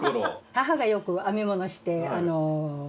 母がよく編み物してあの。